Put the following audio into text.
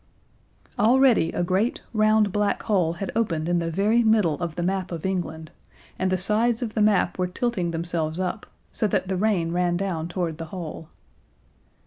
Already a great, round black hole had opened in the very middle of the map of England, and the sides of the map were tilting themselves up, so that the rain ran down toward the hole.